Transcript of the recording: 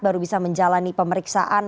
baru bisa menjalani pemeriksaan